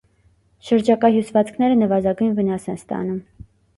Շրջակա հյուսվածքները նվազագույն վնաս են ստանում։